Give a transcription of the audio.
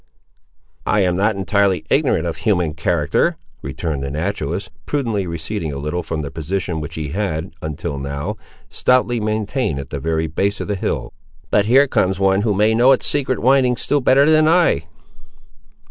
"I am not entirely ignorant of human character," returned the naturalist, prudently receding a little from the position, which he had, until now, stoutly maintained at the very base of the hill. "But here comes one who may know its secret windings still better than I."